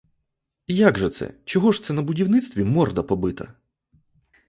Як же це, чого ж це на будівництві морда побита?